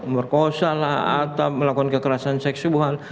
merkosa lah atau melakukan kekerasan seksual